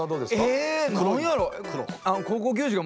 え何やろ。